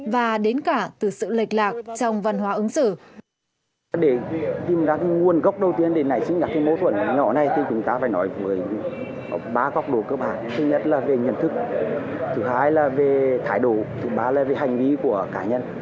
và đến cả từ sự lệch lạc